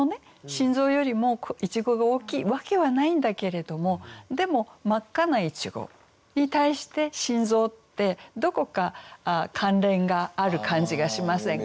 心臓よりもいちごが大きいわけはないんだけれどもでも真っ赤ないちごに対して心臓ってどこか関連がある感じがしませんか？